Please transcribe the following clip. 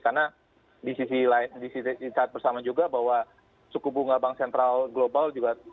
karena di sisi saat bersama juga bahwa suku bunga bank sentral global